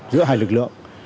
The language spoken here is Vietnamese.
giữa hai lực lượng